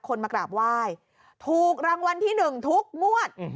คนมากราบว่ายถูกรางวัลที่หนึ่งถูกมวด